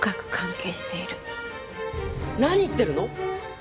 何言ってるの！？